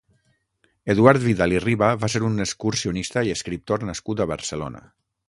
Eduard Vidal i Riba va ser un excursionista i escriptor nascut a Barcelona.